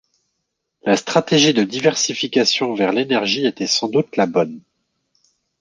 La stratégie de diversification vers l’énergie était sans doute la bonne.